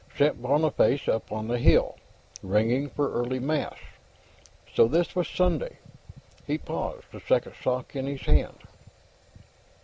St. Boniface, up on the hill, ringing for early Mass; so this was Sunday. He paused, the second sock in his hand.